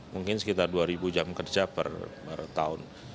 mungkin sekitar dua ribu jam kerja per tahun